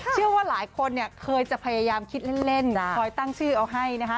เชื่อว่าหลายคนเนี่ยเคยจะพยายามคิดเล่นคอยตั้งชื่อเอาให้นะคะ